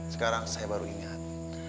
sekarang saya baru inget